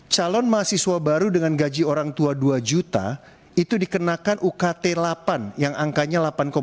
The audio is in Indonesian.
calon mahasiswa baru dengan gaji orang tua dua juta itu dikenakan ukt delapan yang angkanya delapan lima